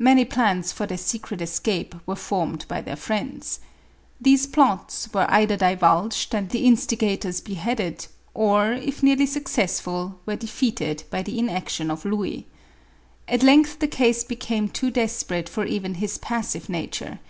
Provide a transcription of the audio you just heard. Many plans for their secret escape were formed by their friends. These plots were either divulged and the instigators beheaded, or, if nearly successful, were defeated by the inaction of Louis. At length the case became too desperate for even his passive nature.'